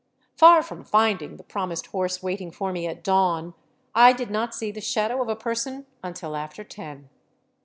Far from finding the prom ised horse waiting for me at dawn, I did not see the shadow of a person until after ten.